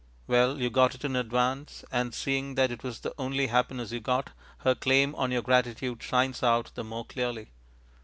Well, you got it in advance; and seeing that it was the only happiness you got, her claim on your gratitude shines out the more clearly.